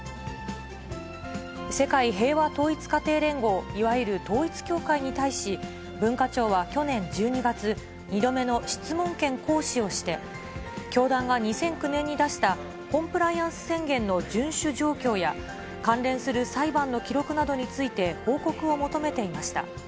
世界平和統一家庭連合、いわゆる統一教会に対し、文化庁は去年１２月、２度目の質問権行使をして、教団が２００９年に出したコンプライアンス宣言の順守状況や、関連する裁判の記録などについて報告を求めていました。